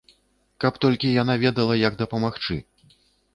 Каб толькі яна ведала, як дапамагчы.